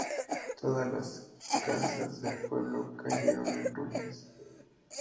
Todas las casas del pueblo cayeron en ruinas.